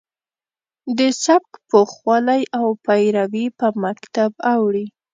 د سبک پوخوالی او پیروي په مکتب اوړي.